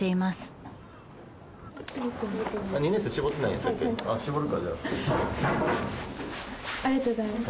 ありがとうございます。